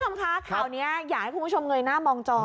คุณผู้ชมคะข่าวนี้อยากให้คุณผู้ชมเงยหน้ามองจอ